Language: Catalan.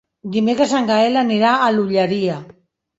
Dimecres en Gaël anirà a l'Olleria.